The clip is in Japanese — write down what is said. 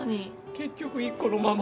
結局１個のまま。